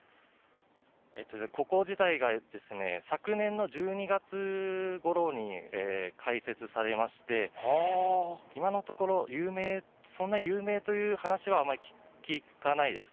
ここ自体が昨年の１２月ごろに開設されまして、今のところ、有名、そんな有名という話は、あまり聞かないです。